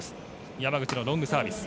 山口のロングサービス。